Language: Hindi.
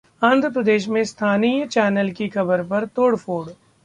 आंध्र प्रदेश में स्थानीय चैनल की खबर पर तोड़फोड़